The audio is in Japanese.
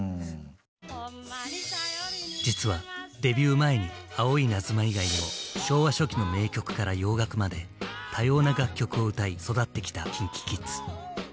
実はデビュー前に「青いイナズマ」以外にも昭和初期の名曲から洋楽まで多様な楽曲を歌い育ってきたＫｉｎＫｉＫｉｄｓ。